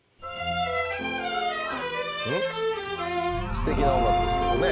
すてきな音楽ですけどね。